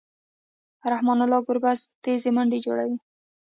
رحمن الله ګربز تېزې منډې جوړوي.